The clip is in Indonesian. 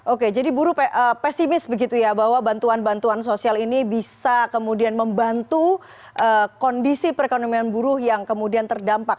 oke jadi buruh pesimis begitu ya bahwa bantuan bantuan sosial ini bisa kemudian membantu kondisi perekonomian buruh yang kemudian terdampak